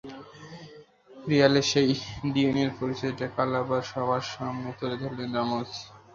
রিয়ালের সেই ডিএনএর পরিচয়টা কাল আবারও সবার সামনে তুলে ধরলেন রামোস।